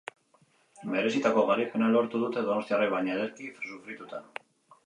Merezitako garaipena lortu dute donostiarrek, baina ederki sufrituta.